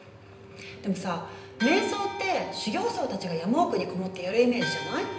でもさ瞑想って修行僧たちが山奥に籠もってやるイメージじゃない？